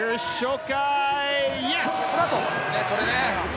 これね。